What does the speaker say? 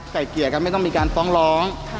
ไก่เกียร์กันไม่ต้องมีการฟ้องร้อง